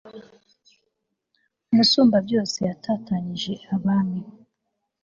umusumbabyose yatatanyije abami